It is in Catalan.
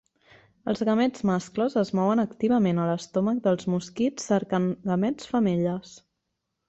Els gamets mascles es mouen activament a l'estomac dels mosquits cercant gamets femelles.